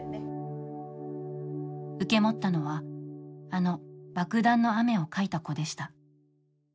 受け持ったのは、あの「爆弾の雨」を描いた子でした。